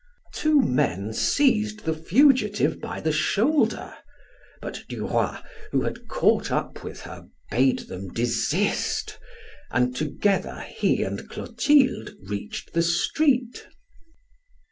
Two men seized the fugitive by the shoulder, but Duroy, who had caught up with her, bade them desist, and together he and Clotilde reached the street.